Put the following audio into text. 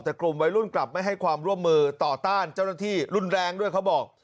แต่กลุ่มวัยรุ่นกลับไม่ให้ความร่วมมือต่อต้านเจ้าหน้าที่รุนแรงด้วยเขาบอก